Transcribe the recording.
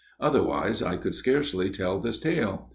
Otherwise I could scarcely tell this tale.